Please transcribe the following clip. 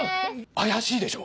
怪しいでしょ？